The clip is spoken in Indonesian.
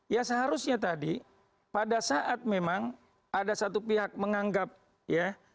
ya seharusnya tadi pada saat memang ada satu pihak menganggap ya